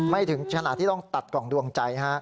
ถึงขณะที่ต้องตัดกล่องดวงใจ